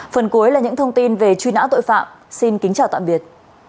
phần cuối là những thông tin về truy nã tội phạm xin kính chào tạm biệt